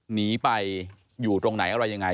หนีไปอยู่ตรงไหนอะไรยังไง